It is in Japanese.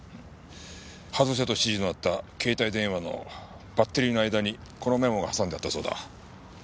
外せと指示のあった携帯電話のバッテリーの間にこのメモが挟んであったそうだ。